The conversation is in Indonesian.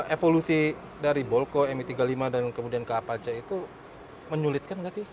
evolusi dari bolko mi tiga puluh lima dan kemudian ke apaca itu menyulitkan nggak sih